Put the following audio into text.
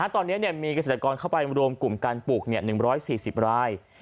ตอนนี้มีเกษตรกรเข้าไปรวมกลุ่มการปลูก๑๔๐ราย